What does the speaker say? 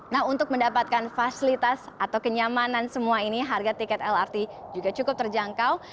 nah untuk mendapatkan fasilitas atau kenyamanan semua ini harga tiket lrt juga cukup terjangkau